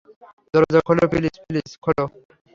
দরজা খোলো please, please খোলো।